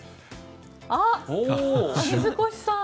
あっ、水越さん！